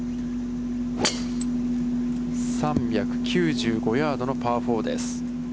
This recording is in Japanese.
３９５ヤードのパー４です。